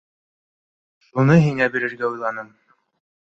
Шуны һиңә бирергә уйланым.